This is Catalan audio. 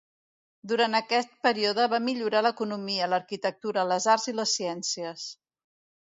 Durant aquest període va millorar l’economia, l’arquitectura, les arts i les ciències.